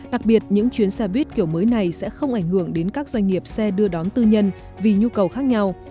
đặc biệt những chuyến xe buýt kiểu mới này sẽ không ảnh hưởng đến các doanh nghiệp xe đưa đón tư nhân vì nhu cầu khác nhau